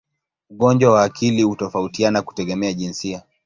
Ugonjwa wa akili hutofautiana kutegemea jinsia.